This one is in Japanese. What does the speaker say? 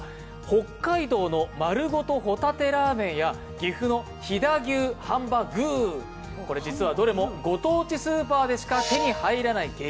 北海道のまるごとほたてらぁめんや岐阜の飛騨牛ハンバ具ー、これ実はどれもご当地スーパーでしか手に入らない激